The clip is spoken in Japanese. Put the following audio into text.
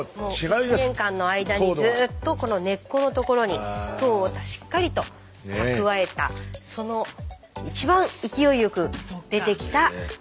１年間の間にずっとこの根っこのところに糖をしっかりと蓄えたその一番勢いよく出てきた。